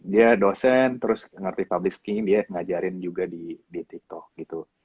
dia dosen terus ngerti public sking dia ngajarin juga di tiktok gitu